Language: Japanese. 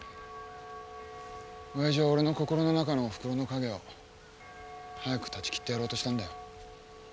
親父は俺の心の中のおふくろの影を早く断ち切ってやろうとしたんだよ。